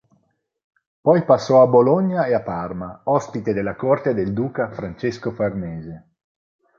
Poi passò a Bologna e a Parma, ospite della corte del duca Francesco Farnese.